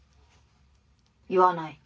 「言わない」。